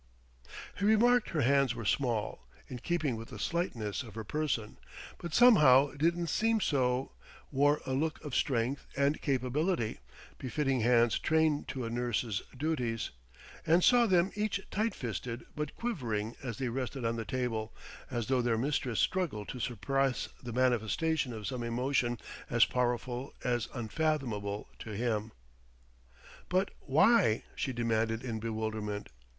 He remarked her hands were small, in keeping with the slightness of her person, but somehow didn't seem so wore a look of strength and capability, befitting hands trained to a nurse's duties; and saw them each tight fisted but quivering as they rested on the table, as though their mistress struggled to suppress the manifestation of some emotion as powerful as unfathomable to him. "But why?" she demanded in bewilderment.